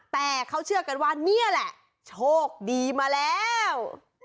แต่เขาเชื่อกันว่านี่แหละโชคดีมาแล้ว